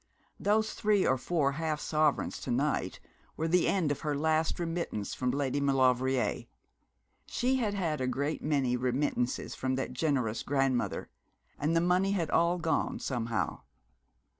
Those three or four half sovereigns to night were the end of her last remittance from Lady Maulevrier. She had had a great many remittances from that generous grandmother; and the money had all gone, somehow.